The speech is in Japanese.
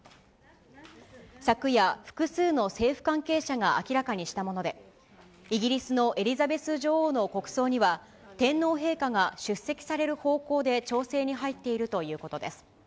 昨夜、複数の政府関係者が明らかにしたもので、イギリスのエリザベス女王の国葬には、天皇陛下が出席される方向で調整に入っているということです。